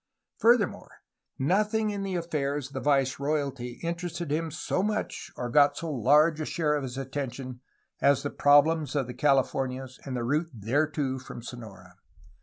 Further more, nothing in the affairs of the viceroyalty interested him so much or got so large a share of his attention as the problems of the Californias and the route thereto from Sonora.